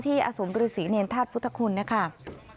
ที่อสมตรีศรีเนรทัศน์พุทธคุณนะครับ